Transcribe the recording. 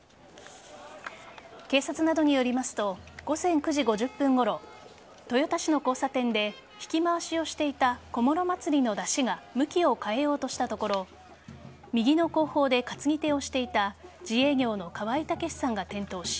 警察などによりますと午前９時５０分ごろ豊田市の交差点でひき回しをしていた挙母祭りの山車が向きを変えようとしたところ右の後方で担ぎ手をしていた自営業の河合武さんが転倒し